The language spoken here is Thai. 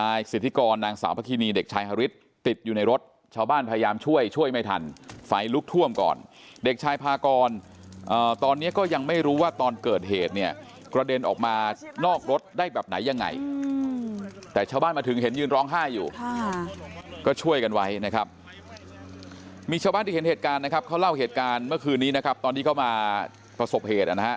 นายสิทธิกรนางสาวพระคินีเด็กชายฮาริสติดอยู่ในรถชาวบ้านพยายามช่วยช่วยไม่ทันไฟลุกท่วมก่อนเด็กชายพากรตอนนี้ก็ยังไม่รู้ว่าตอนเกิดเหตุเนี่ยกระเด็นออกมานอกรถได้แบบไหนยังไงแต่ชาวบ้านมาถึงเห็นยืนร้องไห้อยู่ก็ช่วยกันไว้นะครับมีชาวบ้านที่เห็นเหตุการณ์นะครับเขาเล่าเหตุการณ์เมื่อคืนนี้นะครับตอนที่เขามาประสบเหตุนะฮะ